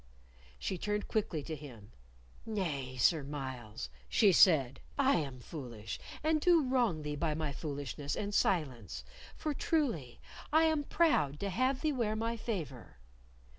She turned quickly to him: "Nay, Sir Myles," she said, "I am foolish, and do wrong thee by my foolishness and silence, for, truly, I am proud to have thee wear my favor."